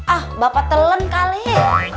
ah bapak teleng kali ya